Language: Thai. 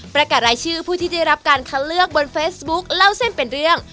ประกาศรายชื่อผู้ที่ได้รับการคัดเลือกบนเฟซบุ๊คเล่าเส้นเป็นเรื่อง